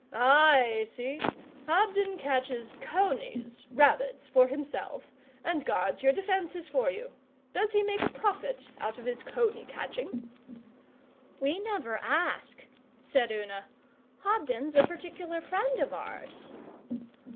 'I see! Hobden catches conies rabbits for himself, and guards your defences for you. Does he make a profit out of his coney catching?' 'We never ask,' said Una. 'Hobden's a particular friend of ours.